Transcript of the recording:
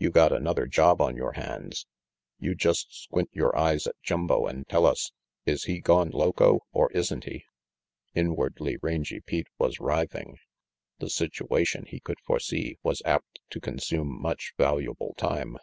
You got another job on your hands. You just squint your eyes at Jumbo and tell us, is he gone loco, or isn't he?" Inwardly, Rangy Pete was writhing. The situa tion, he could foresee, was apt to consume much valuable time.